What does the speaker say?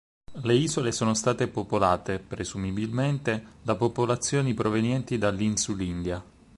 Le isole sono state popolate, presumibilmente, da popolazioni provenienti dall'Insulindia.